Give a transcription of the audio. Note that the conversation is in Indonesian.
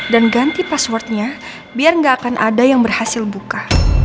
dan ganti passwordnya biar gak akan ada yang berhasil buka